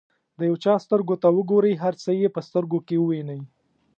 د یو چا سترګو ته وګورئ هر څه یې په سترګو کې ووینئ.